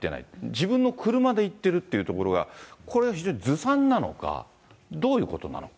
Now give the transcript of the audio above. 自分の車で行ってるっていうところが、これが非常にずさんなのか、どういうことなのか。